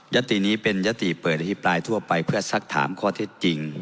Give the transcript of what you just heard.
ยตตีนี้เป็นยตตีเปิดอธิบายทั่วไปเพื่อสักถามข้อที่จริง